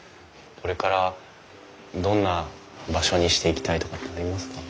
これからどんな場所にしていきたいとかってありますか？